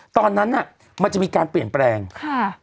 ตอนนั้นน่ะมันจะมีการเปลี่ยนแปลงค่ะ